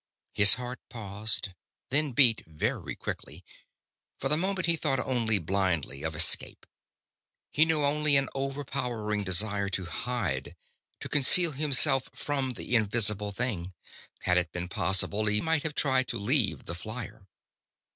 His heart paused, then beat very quickly. For the moment he thought only blindly, of escape. He knew only an overpowering desire to hide, to conceal himself from the invisible thing. Had it been possible, he might have tried to leave the flier.